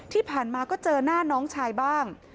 ที่ผ่านมาก็เจอหน้าน้องชายบ้าง